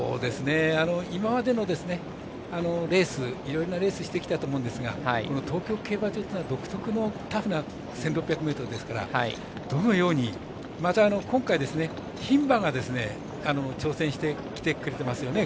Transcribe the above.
今までもレースいろいろなレースしてきたと思うんですが東京競馬場というのは独特のタフな１６００ｍですからどのように、また今回、牝馬が挑戦してきてくれてますよね。